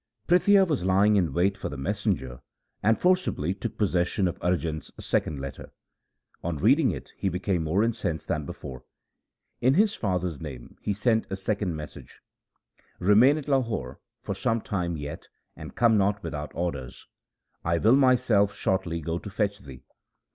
Prithia was lying in wait for the messenger and forcibly took possession of Arjan's second letter. On reading it he became more incensed than before. In his father's name he sent a second message, ' Remain at Lahore for some time yet and come not without orders. I will myself shortly go to fetch thee.'